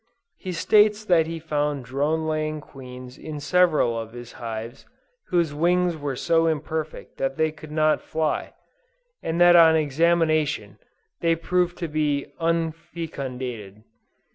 He states that he found drone laying Queens in several of his hives, whose wings were so imperfect that they could not fly, and that on examination, they proved to be unfecundated.